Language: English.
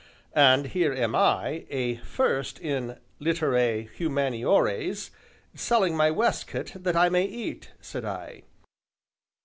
"And here am I, a 'first' in 'Litterae Humaniores,' selling my waistcoat that I may eat," said I.